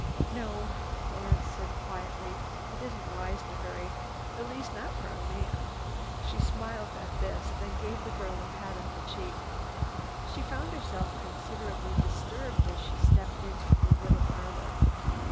"No," Florence said quietly, "it isn't wise to hurry—at least not for a man." She smiled at this, then gave the girl a pat on the cheek. She found herself considerably disturbed as she stepped into the little parlor.